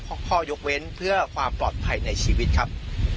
เพราะข้อยกเว้นเพื่อความปลอดภัยในชีวิตครับ